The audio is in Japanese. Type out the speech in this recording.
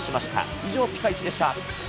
以上、ピカイチでした。